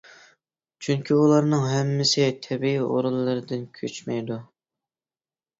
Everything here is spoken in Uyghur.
چۈنكى ئۇلارنىڭ ھەممىسى تەبىئىي ئورۇنلىرىدىن كۆچمەيدۇ.